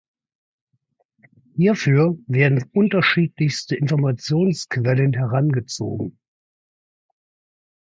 Hierfür werden unterschiedlichste Informationsquellen herangezogen.